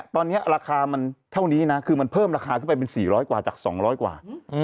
ตอนนี้ราคามันเท่านี้นะคือมันเพิ่มราคาขึ้นไปเป็น๔๐๐กว่าจาก๒๐๐กว่า